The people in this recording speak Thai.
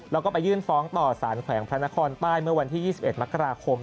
แล้วก็ไปยื่นฟ้องต่อสารแขวงพระนครใต้เมื่อวันที่๒๑มกราคม